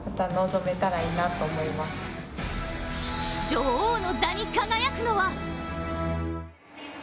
女王の座に輝くのは？